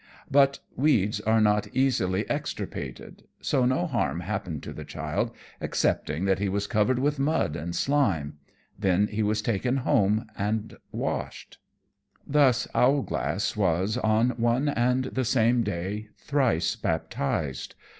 But weeds are not easily extirpated; so no harm happened to the child excepting that he was covered with mud and slime. Then he was taken home and washed. [Illustration: Owlglass's Second Baptism.] Thus Owlglass was, on one and the same day, thrice baptized.